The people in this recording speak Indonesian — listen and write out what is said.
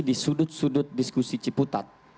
di sudut sudut diskusi ciputat